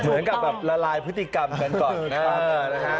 เหมือนกับแบบละลายพฤติกรรมกันก่อนนะครับ